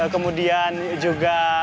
kemudian juga di area jalan